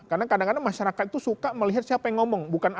karena kadang kadang masyarakat itu suka melihat siapa yang ngomong